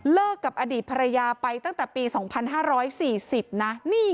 กับอดีตภรรยาไปตั้งแต่ปี๒๕๔๐นะ